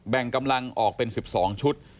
แบ่งกำลังออกเป็นสิบสองชุด